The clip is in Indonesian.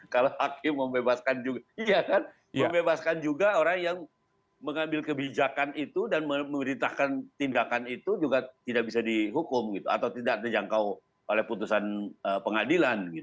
kalau hakim membebaskan juga orang yang mengambil kebijakan itu dan memerintahkan tindakan itu juga tidak bisa dihukum atau tidak terjangkau oleh putusan pengadilan